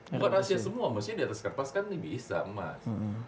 bukan asia semua maksudnya di atas kertas kan bisa emas